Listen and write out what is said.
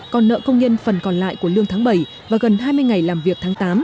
còn nợ công nhân phần còn lại của lương tháng bảy và gần hai mươi ngày làm việc tháng tám